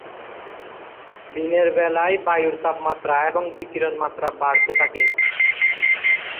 দিনের বেলায় বায়ুর তাপমাত্রা এবং বিকিরণ মাত্রা বাড়তে থাকে।